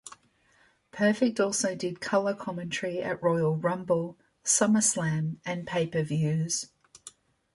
Perfect also did color commentary at Royal Rumble, SummerSlam and pay-per-views.